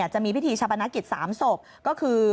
จะมีพิธีชาปนกิจ๓ศพก็คือ